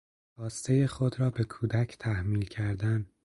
خواستهی خود رابه کودک تحمیل کردن